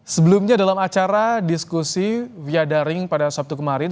sebelumnya dalam acara diskusi via daring pada sabtu kemarin